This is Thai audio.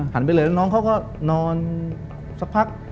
ไปเลยแล้วน้องเขาก็นอนสักพัก